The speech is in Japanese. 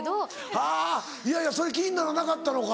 はぁいやいやそれ気にならなかったのか。